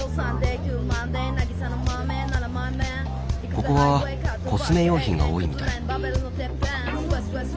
ここはコスメ用品が多いみたい。